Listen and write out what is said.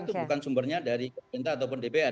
itu bukan sumbernya dari pemerintah ataupun dpr